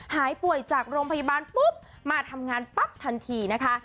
หายป่วยจากโรงพยาบาลปุ๊บมาทำงานปั๊บทันทีนะคะ